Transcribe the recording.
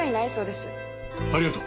ありがとう。